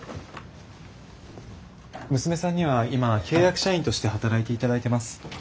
娘さんには今契約社員として働いて頂いてます。